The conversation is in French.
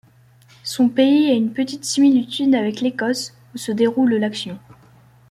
Son pays a une petite similitude avec l'Écosse où se déroule l'action.